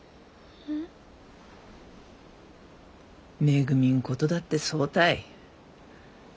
めぐみんことだってそうたい。